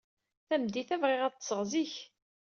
Tameddit-a bɣiɣ ad ḍḍseɣ zik.